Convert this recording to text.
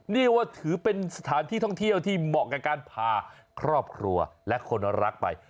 นี่ว่าถือเป็นสถานที่ท่องเที่ยวที่เหมาะกับการพาครอบครัวและคนรักไป